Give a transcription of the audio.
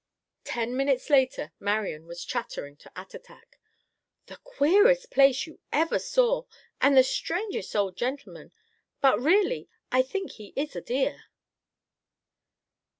Ten minutes later Marian was chattering to Attatak: "The queerest place you ever saw; and the strangest old gentleman. But really, I think he is a dear."